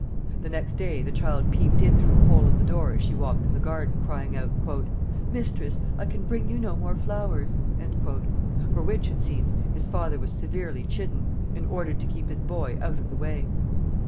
The next day the child peeped in through a hole of the door as she walked in the garden, crying out, "Mistress, I can bring you no more flowers!" for which, it seems, his father was severely chidden and ordered to keep his boy out of the way.